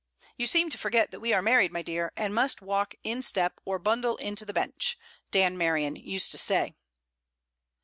'You seem to forget that we are married, my dear, and must walk in step or bundle into the Bench,' Dan Merion used to say.